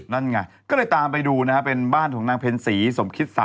นั่นไงก็เลยตามไปดูเป็นบ้านของนางเพริญศรีสมคิดสรร